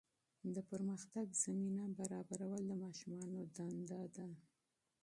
د پرمختګ زمینه برابرول د ماشومانو دنده ده.